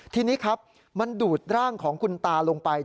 ทีนี้ครับมันดูดร่างของคุณตาลงไป